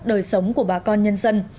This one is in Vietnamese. đời sống của bà con nhân dân